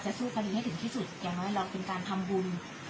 สู้คดีให้ถึงที่สุดอย่างน้อยเราเป็นการทำบุญ